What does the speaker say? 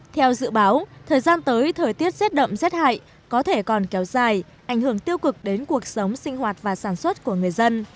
theo dự báo thời gian tới thời tiết rét đậm rét hại có thể còn kéo dài ảnh hưởng tiêu cực đến cuộc sống sinh hoạt và sản xuất của người dân